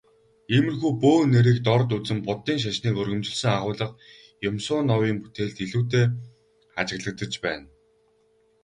Иймэрхүү бөө нэрийг дорд үзэн Буддын шашныг өргөмжилсөн агуулга Юмсуновын бүтээлд илүүтэй ажиглагдаж байна.